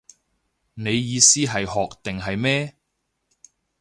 你意思係學定係咩